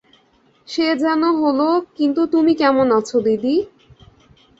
সে যেন হল, কিন্তু তুমি কেমন আছ দিদি?